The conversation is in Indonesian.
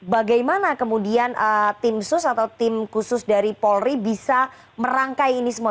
bagaimana kemudian tim sus atau tim khusus dari polri bisa merangkai ini semua